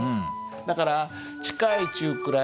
だから「近い」「中くらい」